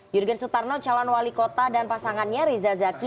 jurgen sutarno calon wali kota dan pasangannya riza zaki